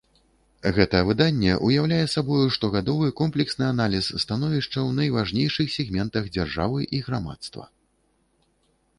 Гэта выданне ўяўляе сабою штогадовы комплексны аналіз становішча ў найважнейшых сегментах дзяржавы і грамадства.